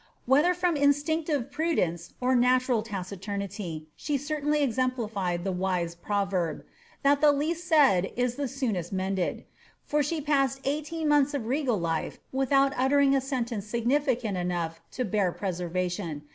Whether from instinctive prudence or natural ticitamity, she certainly exemplified the wise proverb, ^ that the least Slid is the soonest mended ;'' for she passed eighteen months of regal life without uttering a sentence significant enough to bear preservation.